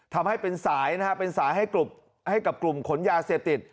ทำให้เป็นสายนะฮะเป็นสายให้กับกลุ่มขนยาเสพติด